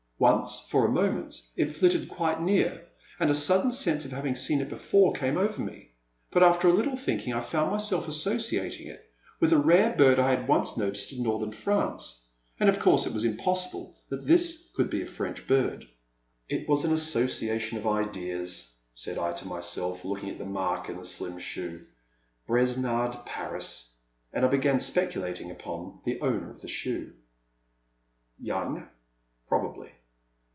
Once, for a moment, it flitted quite near, and a sudden sense of having seen it before came over me, but after a little thinking I found myself associating it with a rare bird I had once 92 The Silent Land. 93 noticed in Northern France, and of course it was impossible that this could be a French bird. '* It was an association of ideas/' said I to my self, looking at the mark in the slim shoe. *' Bes nard — Paris. '* And I began speculating upon the owner of the shoe. Young? Probably.